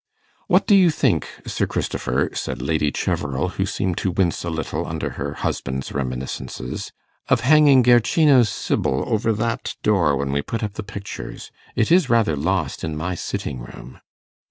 'What do you think, Sir Christopher,' said Lady Cheverel, who seemed to wince a little under her husband's reminiscences, 'of hanging Guercino's "Sibyl" over that door when we put up the pictures? It is rather lost in my sitting room.